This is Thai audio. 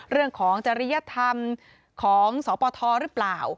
เรื่องของจริยธรรมของสปทหรือเปล่า